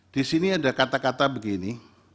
di sini ada kata kata begini